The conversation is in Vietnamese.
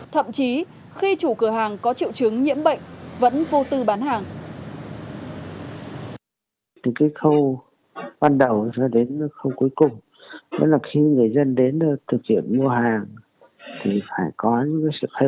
thậm chí khi chủ cửa hàng có triệu chứng nhiễm bệnh vẫn vô tư bán hàng